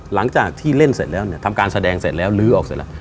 หลังจากที่เล่นเสร็จแล้วเนี่ยทำการแสดงเสร็จแล้วลื้อออกเสร็จแล้ว